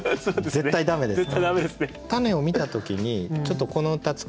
絶対駄目ですね。